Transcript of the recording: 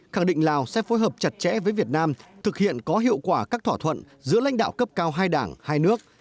khẳng định lào sẽ phối hợp chặt chẽ với việt nam thực hiện có hiệu quả các thỏa thuận giữa lãnh đạo cấp cao hai đảng hai nước